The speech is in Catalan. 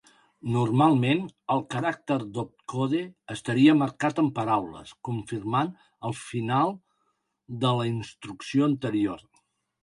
Normalment, el caràcter d'op-code estaria marcat amb paraules, confirmant el final de la instrucció anterior.